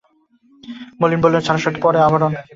মলিন বসন ছাড়ো সখী, পরো আভরণ।